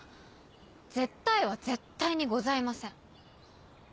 「絶対」は絶対にございません。